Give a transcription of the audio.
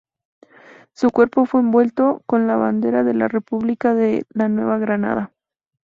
Su cuerpo fue envuelto con la bandera de la República de la Nueva Granada.